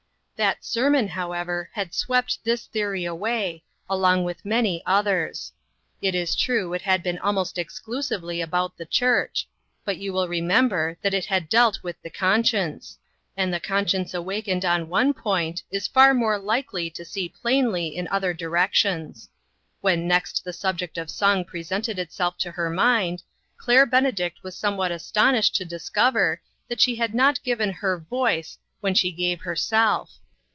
That sermon, however, had swept this theory away, along with many others. It is true, it had been almost ex clusively about the church ; but you will remember that it had dealt with the con science ; and the conscience awakened on one point, is far more likely to see plainly in other directions. When next the subject of song presented itself to her mind, Claire Benedict was somewhat astonished to discover that she had not given her voice when she gave herself.